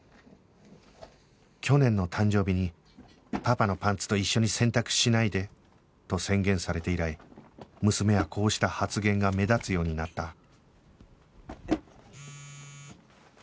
去年の誕生日にパパのパンツと一緒に洗濯しないで！と宣言されて以来娘はこうした発言が目立つようになった